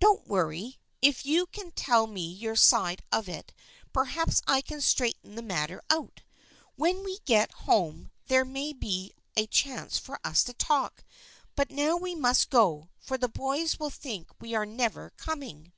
Don't worry. If you can tell me your side of it perhaps I can straighten the matter out. When we get home there may be a chance for us to talk, but now we must go, for the boys will think we are never coming."